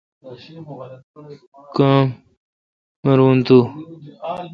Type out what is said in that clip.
کاں مر تو۔